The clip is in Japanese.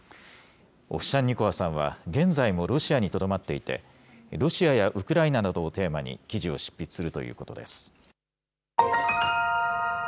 オフシャンニコワさんは現在もロシアにとどまっていて、ロシアやウクライナなどをテーマに記事を執筆するということです。